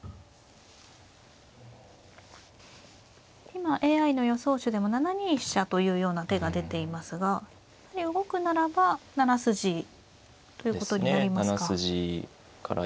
今ＡＩの予想手でも７二飛車というような手が出ていますがやはり動くならば７筋ということになりますか。ですね。